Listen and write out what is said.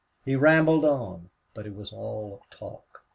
He rambled on. But it was all talk.